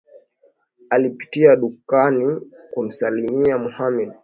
Alipitia dukani kumsalimu Mohammed